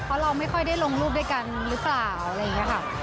เพราะเราไม่ค่อยได้ลงรูปด้วยกันหรือเปล่าอะไรอย่างนี้ค่ะ